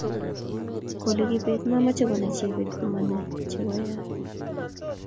kolen kibet mamache konai jebet komanai che koyaak